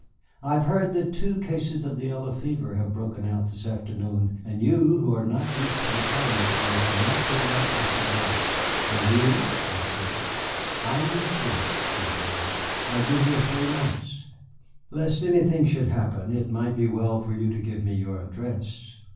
I have heard that two cases of the yellow fever have broken out this afternoon. And you, who are not used to the climate, must not be out after dark." "And you?" I said. "I am used to it," she replied; "I have been here three months. Lest anything should happen, it might be well for you to give me your address."